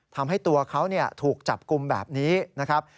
ทำให้ตัวเขาถูกจับกลุ่มแบบนี้นะครับ